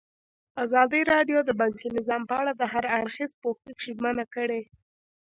ازادي راډیو د بانکي نظام په اړه د هر اړخیز پوښښ ژمنه کړې.